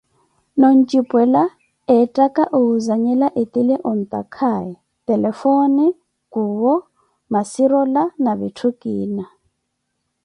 Noo ontxipwela etthaka owuzanhela ettile ontaakaye, telefone, kuwo, macirola, na vittu kiina